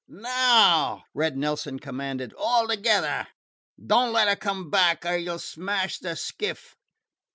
"Now!" Red Nelson commanded. "All together! Don't let her come back or you 'll smash the skiff.